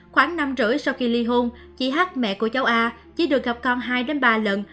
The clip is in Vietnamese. khoảng năm rưỡi sau khi ly hôn chị hát mẹ của cháu a chỉ được gặp con hai ba lần